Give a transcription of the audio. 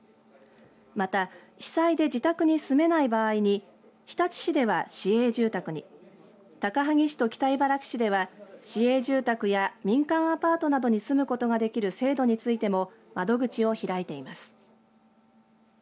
また被災で自宅に住めない場合に日立市では市営住宅に高萩市と北茨城市では市営住宅や民間パートなどに住むことができる制度についても窓口を開いています。